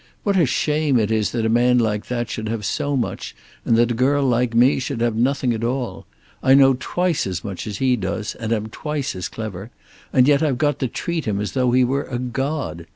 What a shame it is that a man like that should have so much and that a girl like me should have nothing at all. I know twice as much as he does, and am twice as clever, and yet I've got to treat him as though he were a god.